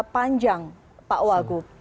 panjang pak uwagu